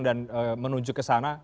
dan menuju ke sana